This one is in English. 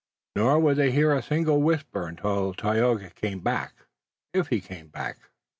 Nor would they hear a single whisper until Tayoga came back if he came back.